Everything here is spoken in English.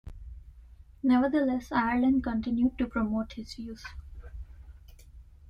Nevertheless, Ireland continued to promote his views.